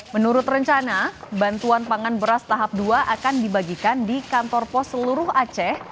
menurut rencana bantuan pangan beras tahap dua akan dibagikan di kantor pos seluruh aceh